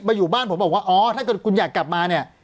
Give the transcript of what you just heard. อยู่บ้านผมบอกว่าอ๋อถ้าเกิดคุณอยากกลับมาเนี่ย